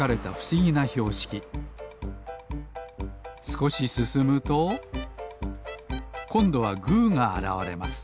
すこしすすむとこんどはグーがあらわれます